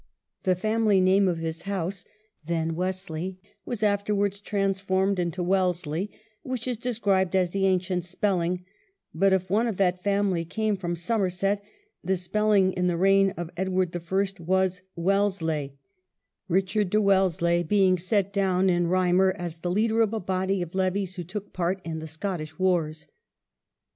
The family name of his house, then Wesley, was afterwards transformed into Wellesley, which is described as the ancient spelling; but if one of that family came from Somerset, the spelling in the reign of Edward the First was Wellesleigh — Eichard de Wellesleigh being set down in Eymer as the leader of a body of levies who took part in the Scottish wars.